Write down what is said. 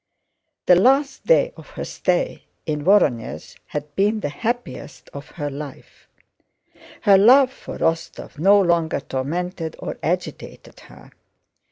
The last days of her stay in Vorónezh had been the happiest of her life. Her love for Rostóv no longer tormented or agitated her.